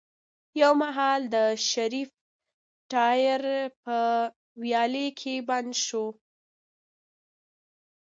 يو مهال د شريف ټاير په ويالې کې بند شو.